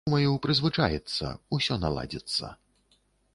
Думаю, прызвычаіцца, усё наладзіцца!